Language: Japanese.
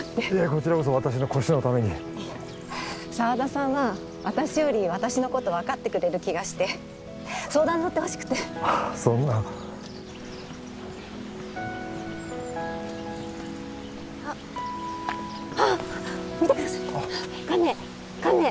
こちらこそ私の腰のためにいえ沢田さんは私より私のこと分かってくれる気がして相談に乗ってほしくてそんなあっあっ見てくださいカメカメ！